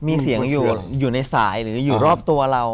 มีเสียงอยู่ในสายหรืออยู่รอบตัวเรา